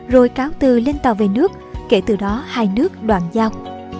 rồi cáo từ lên tàu về nước kể từ đó hai nước đoàn giao